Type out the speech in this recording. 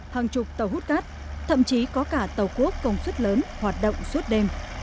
hàng chục tàu hút cát thậm chí có cả tàu cuốc công suất lớn hoạt động suốt đêm